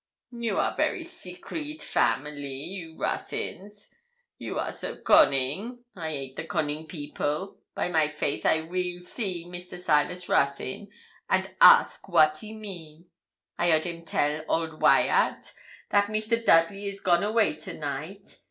'You are a very secrete family, you Ruthyns you are so coning. I hate the coning people. By my faith, I weel see Mr. Silas Ruthyn, and ask wat he mean. I heard him tell old Wyat that Mr. Dudley is gone away to night.